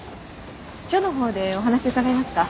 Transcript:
署のほうでお話伺えますか？